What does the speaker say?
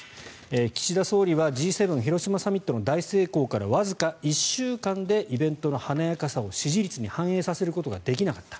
岸田総理はＧ７広島サミットの大成功からわずか１週間でイベントの華やかさを支持率に反映させることができなかった。